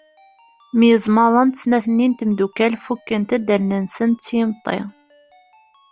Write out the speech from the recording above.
Myeẓmaḍent snat-nni n temdukal fukkent-d allen-nsent s yimeṭṭi.